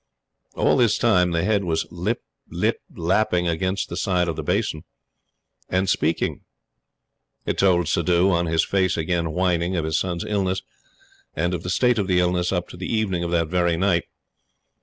All this time the head was "lip lip lapping" against the side of the basin, and speaking. It told Suddhoo, on his face again whining, of his son's illness and of the state of the illness up to the evening of that very night.